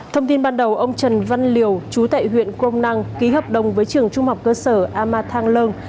thông tin ban đầu ông trần văn liều chú tại huyện crong nang ký hợp đồng với trường trung học cơ sở amatang leung